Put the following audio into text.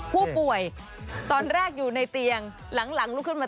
ผู้ป่วยตอนแรกอยู่ในเตียงหลังลุกขึ้นมา